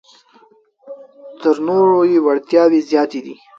تر نورو یې وړتیاوې زیاتې دي.